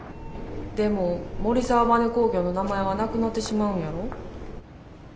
でも森澤バネ工業の名前はなくなってしまうんやろ？